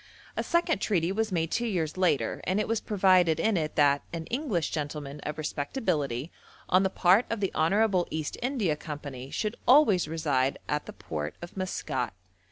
A second treaty was made two years later, and it was provided in it that 'an English gentleman of respectability on the part of the Honourable East India Company, should always reside at the port of Maskat.'